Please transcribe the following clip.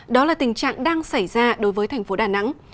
đó là tình trạng đang xảy ra đối với thành phố đà nẵng